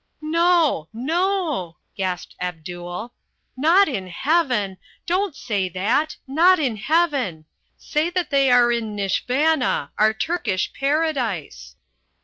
"No, no," gasped Abdul, "not in Heaven! don't say that! Not in Heaven! Say that they are in Nishvana, our Turkish paradise."